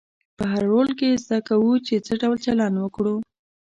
په هر رول کې زده کوو چې څه ډول چلند وکړو.